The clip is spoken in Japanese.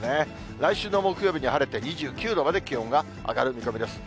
来週の木曜日に晴れて、２９度まで気温が上がる見込みです。